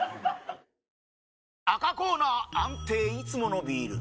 赤コーナー安定いつものビール！